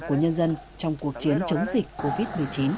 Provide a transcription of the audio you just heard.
của nhân dân trong cuộc chiến chống dịch covid một mươi chín